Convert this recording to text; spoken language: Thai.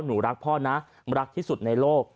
หนูรักพ่อนะรักที่สุดในโลก